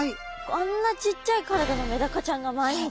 あんなちっちゃい体のメダカちゃんが毎日ですか？